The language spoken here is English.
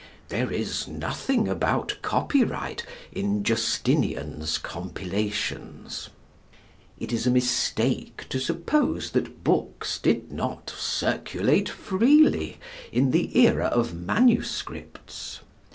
There is nothing about copyright in Justinian's compilations. It is a mistake to suppose that books did not circulate freely in the era of manuscripts.